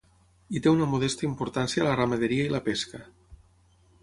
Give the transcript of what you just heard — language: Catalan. Hi té una modesta importància la ramaderia i la pesca.